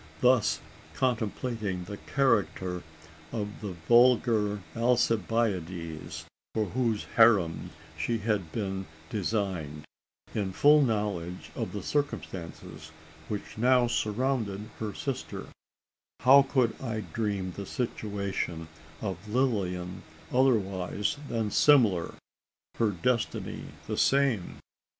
Thus contemplating the character of the vulgar Alcibiades, for whose harem she had been designed in full knowledge of the circumstances which now surrounded her sister how could I deem the situation of Lilian otherwise than similar her destiny the same?